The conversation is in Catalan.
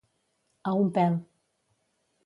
A un pèl.